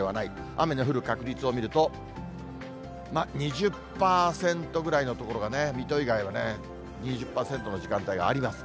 雨の降る確率を見ると、まあ、２０％ぐらいの所がね、水戸以外は２０％の時間帯があります。